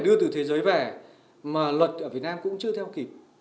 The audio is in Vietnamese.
đưa từ thế giới về mà luật ở việt nam cũng chưa theo kịp